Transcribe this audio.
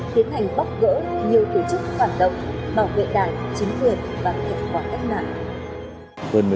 tiến hành bóc gỡ nhiều tổ chức phản động bảo vệ đảng chính quyền và hiệu quả cách mạng